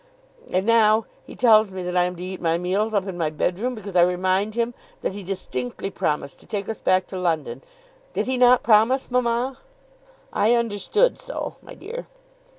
And now he tells me that I am to eat my meals up in my bedroom because I remind him that he distinctly promised to take us back to London! Did he not promise, mamma?" "I understood so, my dear."